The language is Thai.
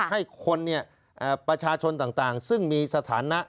ให้คนประชาชนต่างซึ่งมีสถานะ